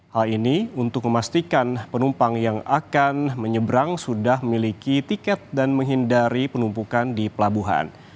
hal ini untuk memastikan penumpang yang akan menyeberang sudah memiliki tiket dan menghindari penumpukan di pelabuhan